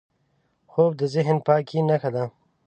خوب د ذهن پاکۍ نښه ده